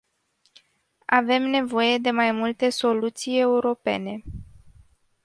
Avem nevoie de mai multe soluții europene.